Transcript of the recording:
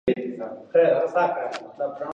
د هغې په باب تحقیق نه دی سوی.